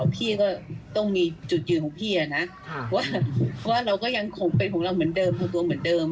เพราะว่าเราก็ยังคงเป็นของเราเหมือนเดิมคงตัวเหมือนเดิม